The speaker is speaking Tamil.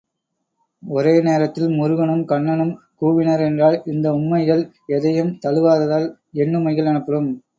ஒரே நேரத்தில் முருகனும் கண்ணனும் கூவினர் என்றால், இந்த உம்மைகள் எதையும் தழுவாததால் எண்ணும்மைகள் எனப்படும்.